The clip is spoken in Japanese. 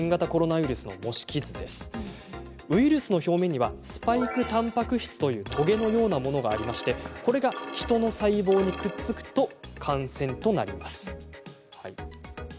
ウイルスの表面にはスパイクたんぱく質というトゲのようなものがありこれがヒトの細胞にくっつくと感染となります。